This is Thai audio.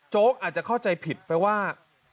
อาจจะเข้าใจผิดไปว่า